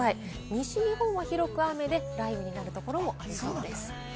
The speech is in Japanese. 西日本は広く雨で、雷雨のところもありそうです。